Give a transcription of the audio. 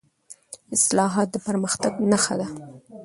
اصلاحات د پرمختګ نښه ده